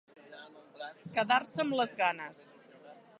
Quedar-se amb les ganes.